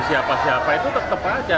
siapa siapa itu tetap aja